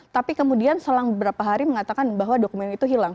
tapi kemudian selang beberapa hari mengatakan bahwa dokumen itu hilang